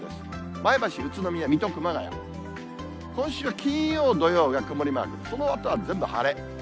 前橋、宇都宮、水戸、熊谷、今週は金曜、土曜が曇りマーク、そのあとは全部晴れ。